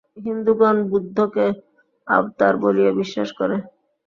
হিন্দুগণ বুদ্ধকে অবতার বলিয়া বিশ্বাস করে।